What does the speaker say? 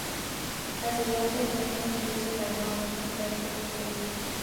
A su vuelta al Reino Unido se grabó "Another Perfect Day".